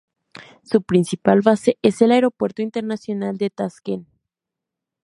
Su principal base es el Aeropuerto Internacional de Taskent.